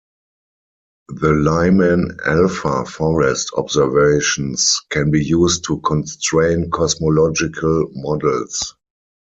The Lyman-alpha forest observations can be used to constrain cosmological models.